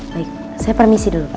baik saya permisi dulu pak